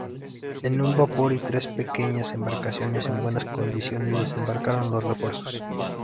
En un vapor y tres pequeñas embarcaciones en buenas condiciones desembarcaron los refuerzos.